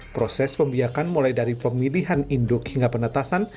proses pembiakan mulai dari pemilihan induk hingga penetasan